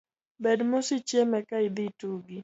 Bed mos ichiem eka idhi itugi.